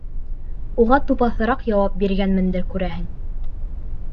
Уға тупаҫыраҡ яуап биргәнмендер, күрәһең.